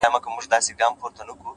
پایښت له ثابت قدمۍ راځي.!